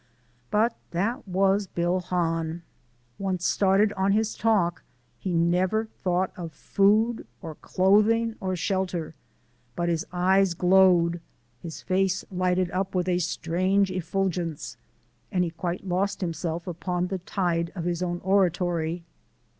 But that was Bill Hahn. Once started on his talk, he never thought of food or clothing or shelter; but his eyes glowed, his face lighted up with a strange effulgence, and he quite lost himself upon the tide of his own oratory.